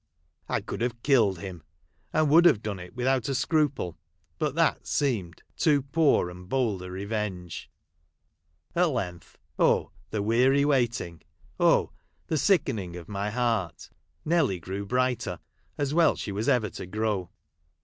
I could haAre killed him ; and would have done it without a scruple, but that seemed too poor and bold a revenge. At length — oh ! the weary Availing— oh! the sickening of my heart — Nelly greAv better — as Avell as she was ever to grow.